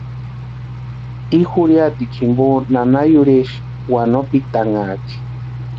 I jurhiatikwa jimpo nana yurhixe wanopitanhaati.